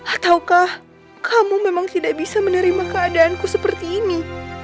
ataukah kamu memang tidak bisa menerima keadaanku seperti ini